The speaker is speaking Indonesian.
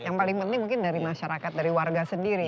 yang paling penting mungkin dari masyarakat dari warga sendiri